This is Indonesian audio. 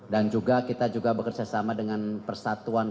dan juga kita bekerjasama dengan persatuan